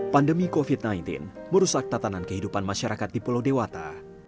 pandemi covid sembilan belas merusak tatanan kehidupan masyarakat di pulau dewata